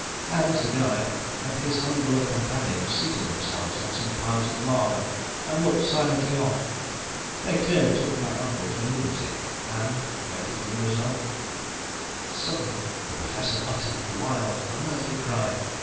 Hans, the guide, and his humbler companions seated themselves on some piles of lava and looked silently on. They clearly took my uncle for a lunatic; and waited the result. Suddenly the Professor uttered a wild, unearthly cry.